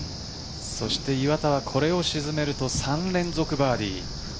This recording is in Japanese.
岩田はこれを沈めると３連続バーディー。